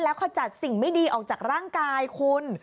ขจัดสิ่งไม่ดีออกจากร่างกายคุณ